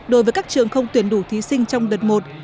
đối với các trường không tuyển đủ thí sinh trong đợt một